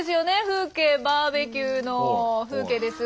風景バーベキューの風景です。